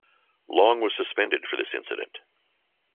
Long was suspended for this incident.